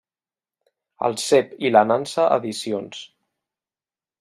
El Cep i la Nansa Edicions.